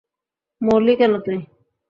মরলি কেন তুই?